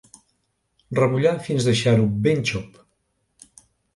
Remullar fins deixar-ho ben xop.